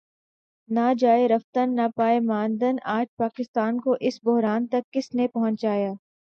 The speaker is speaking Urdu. نہ جائے رفتن نہ پائے ماندن آج پاکستان کو اس بحران تک کس نے پہنچایا؟